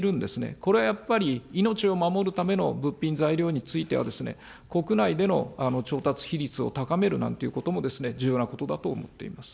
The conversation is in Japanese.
これはやっぱり、命を守るための物品、材料については、国内での調達比率を高めるなんていうことも、重要なことだと思っています。